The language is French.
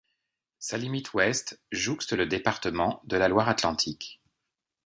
Sa limite ouest jouxte le département de la Loire-Atlantique.